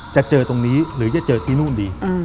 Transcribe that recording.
จะเจอตรงนี้หรือจะเจอที่นู่นดี